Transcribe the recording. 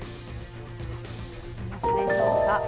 出ますでしょうか。